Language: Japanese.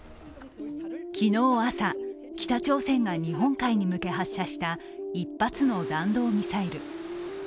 昨日朝、北朝鮮が日本海に向け発射した１発の弾道ミサイル。